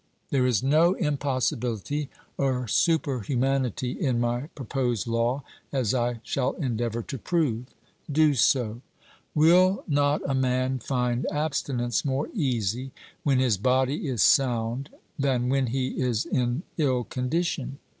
There is no impossibility or super humanity in my proposed law, as I shall endeavour to prove. 'Do so.' Will not a man find abstinence more easy when his body is sound than when he is in ill condition?